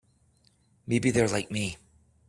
Maybe they're like me.